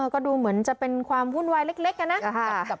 ก็ดูเหมือนจะเป็นความวุ่นวายเล็กนะ